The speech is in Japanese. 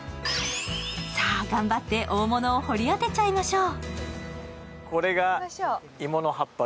さあ、頑張って大物を掘り当てちゃいましょう。